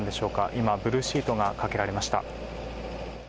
今、ブルーシートがかけられました。